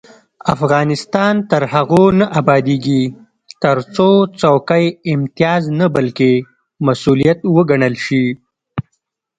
افغانستان تر هغو نه ابادیږي، ترڅو څوکۍ امتیاز نه بلکې مسؤلیت وګڼل شي.